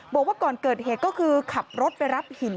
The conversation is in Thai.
บอกว่าก่อนเกิดเหตุก็คือขับรถไปรับหิน